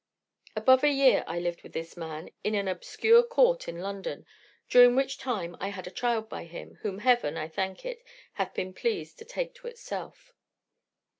"Above a year I lived with this man in an obscure court in London, during which time I had a child by him, whom Heaven, I thank it, hath been pleased to take to itself.